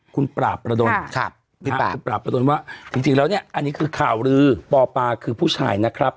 คุณปราบประดนคุณปราบประดนว่าจริงแล้วเนี่ยอันนี้คือข่าวลือปอปาคือผู้ชายนะครับ